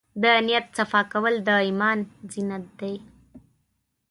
د نیت صفا کول د ایمان زینت دی.